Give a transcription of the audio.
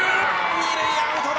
２塁アウトだ。